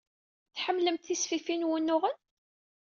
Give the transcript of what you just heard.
Tḥemmlemt tisfifin n wunuɣen?